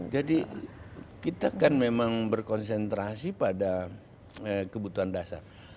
jadi kita kan memang berkonsentrasi pada kebutuhan dasar